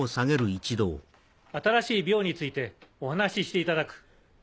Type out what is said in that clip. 新しい鋲についてお話ししていただく。